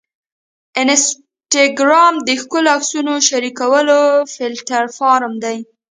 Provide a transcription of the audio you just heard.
انسټاګرام د ښکلو عکسونو شریکولو پلیټفارم دی.